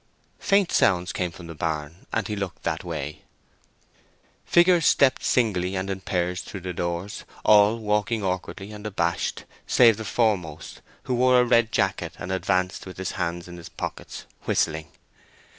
Faint sounds came from the barn, and he looked that way. Figures stepped singly and in pairs through the doors—all walking awkwardly, and abashed, save the foremost, who wore a red jacket, and advanced with his hands in his pockets, whistling.